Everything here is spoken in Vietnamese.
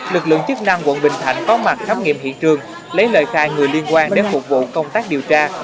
lực lượng chức năng quận bình thạnh có mặt khám nghiệm hiện trường lấy lời khai người liên quan đến phục vụ công tác điều tra